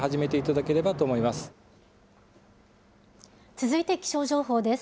続いて気象情報です。